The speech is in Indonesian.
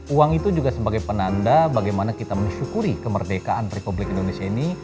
uang itu juga sebagai penanda bagaimana kita mensyukuri kemerdekaan republik indonesia ini